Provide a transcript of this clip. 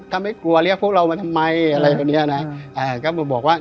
ถ้าไม่กลัวเรียกพวกเรามาทำไมอะไรแบบเนี้ยนะอ่าก็มาบอกว่า